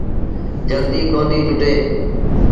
جلديٚ ڪونديٚ ٽُٽي۔